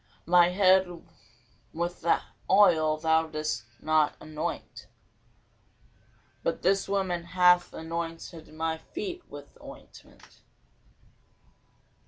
My head with oil thou didst not anoint: but this woman hath anointed my feet with ointment.